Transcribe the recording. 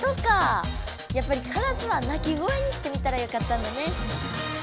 やっぱりカラスは鳴き声にしてみたらよかったんだね。